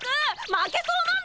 負けそうなんだ！